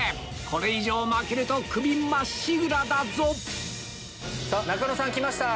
これ以上負けるとクビまっしぐらだぞ仲野さん来ました。